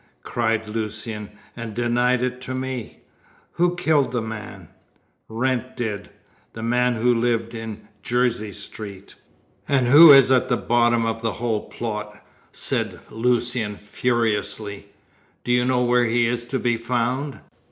cried Lucian, "and denied it to me! Who killed the man?" "Wrent did the man who lived in Jersey Street." "And who is at the bottom of the whole plot!" said Lucian furiously. "Do you know where he is to be found?"